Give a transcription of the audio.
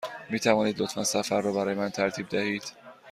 می توانید لطفاً سفر را برای من ترتیب دهید؟